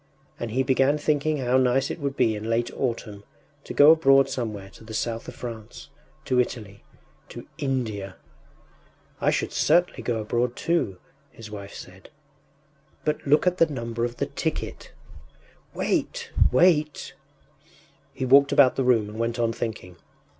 And he began thinking how nice it would be in late autumn to go abroad somewhere to the South of France... to Italy.... to India! “I should certainly go abroad too,” his wife said. “But look at the number of the ticket!” “Wait, wait!...” He walked about the room and went on thinking.